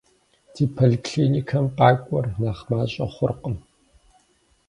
Ди поликлиникэм къакӀуэр нэхъ мащӀэ хъуркъым.